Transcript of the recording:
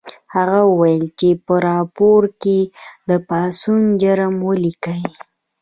هغه وویل چې په راپور کې د پاڅون جرم ولیکئ